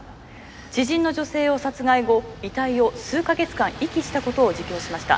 知人の女性を殺害後遺体を数か月間遺棄したことを自供しました。